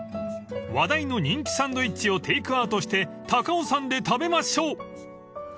［話題の人気サンドイッチをテークアウトして高尾山で食べましょう］